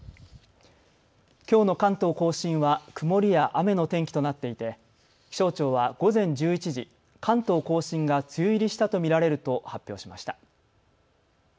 きょうの関東甲信は曇りや雨の天気となっていて気象庁は午前１１時、関東甲信が梅雨入りしたと見られると発表しました。